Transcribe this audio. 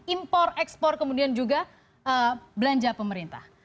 impor ekspor kemudian juga belanja pemerintah